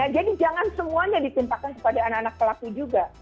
jadi jangan semuanya ditimpakan kepada anak anak pelaku juga